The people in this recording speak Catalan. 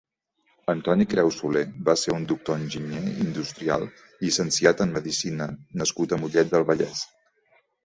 Antoni Creus Solé va ser un doctor enginyer industrial llicenciat en medicina nascut a Mollet del Vallès.